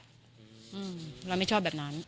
เราไม่ชอบแบบนั้น